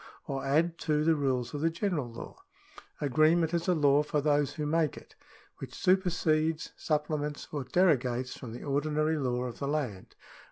or add to the rules of the general law. Agreement is a law for those who make it, which supersedes, supplements, or derogates from the ordinary law of the land.